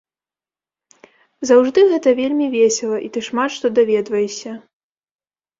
Заўжды гэта вельмі весела, і ты шмат што даведваешся.